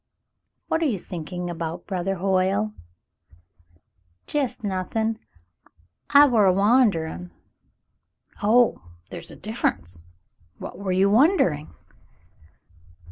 "What are you thinking about, brother Hoyle .?" "Jest nothin'. I war a wonderin'." "Oh, there is a difference .^ W'hat were you wonder mg?